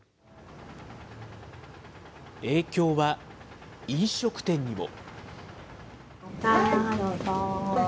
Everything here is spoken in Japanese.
影響は飲食店にも。